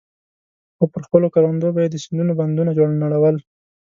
خو پر خپلو کروندو به يې د سيندونو بندونه نړول.